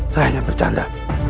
saya hanya bercanda